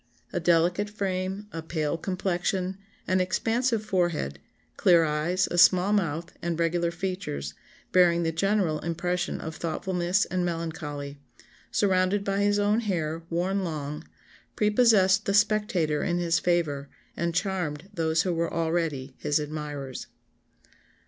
A delicate frame, a pale complexion, an expansive forehead, clear eyes, a small mouth, and regular features, bearing the general impression of thoughtfulness and melancholy, surrounded by his own hair, worn long, prepossessed the spectator in his favour, and charmed those who were already his admirers."